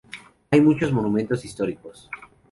Hay muchos monumentos históricos.